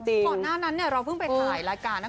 ก่อนหน้านั้นเราเพิ่งไปถ่ายรายการนะคะ